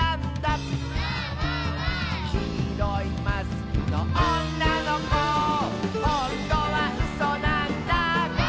「きいろいマスクのおんなのこ」「ほんとはうそなんだ」